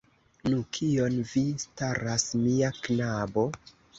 Nu, kion vi staras, mia knabo?